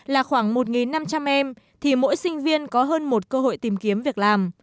là khoảng một năm trăm linh em thì mỗi sinh viên có hơn một cơ hội tìm kiếm việc làm